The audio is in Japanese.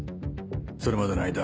それまでの間